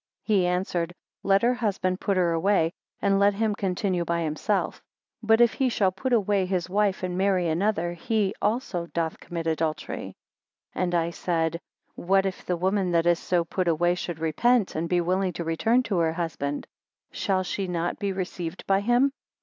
He answered, Let her husband put her away, and let him continue by himself; but if he shall put away his wife and marry another, he also doth commit adultery. 7 And I said, What, if the woman that is so put away, should repent, and be willing to return to her husband, shall she not be received by him?